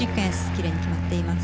奇麗に決まっています。